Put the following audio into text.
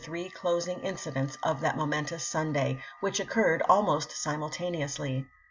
three closing incidents of that momentous Sunday, which occurred almost simultaneously.